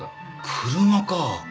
車か。